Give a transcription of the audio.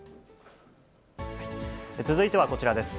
続いてはこちらです。